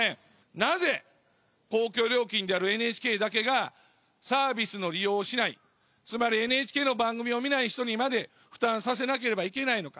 なぜ、公共料金であるＮＨＫだけが、サービスの利用をしない、つまり、ＮＨＫの番組を見ない人にまで負担させなければいけないのか。